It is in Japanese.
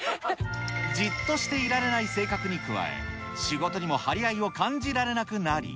じっとしていられない性格に加え、仕事にも張り合いを感じられなくなり。